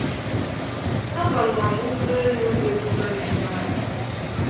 aga mụ agba ụgbọ elu ga-ebuga mụ ebe ahụ.